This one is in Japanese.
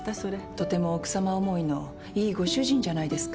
とても奥さま思いのいいご主人じゃないですか。